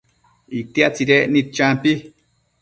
itia tsidecnid champi